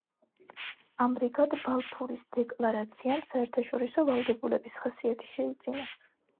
ამრიგად, „ბალფურის დეკლარაციამ“ საერთაშორისო ვალდებულების ხასიათი შეიძინა.